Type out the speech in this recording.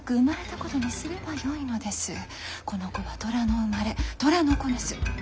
この子は寅の生まれ寅の子です。